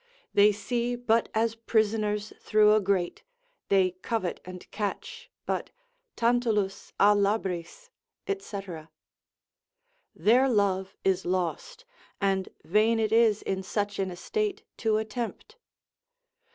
They see but as prisoners through a grate, they covet and catch, but Tantalus a labris, &c. Their love is lost, and vain it is in such an estate to attempt.